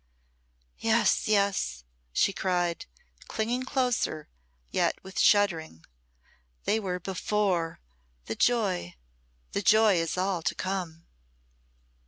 "Yes, yes," she cried, clinging closer, yet with shuddering, "they were before the joy the joy is all to come."